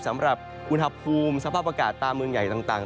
สำหรับอุณหภูมิสภาพอากาศตามเมืองใหญ่ต่าง